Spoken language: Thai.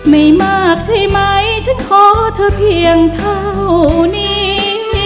ไม่มากใช่ไหมฉันขอเธอเพียงเท่านี้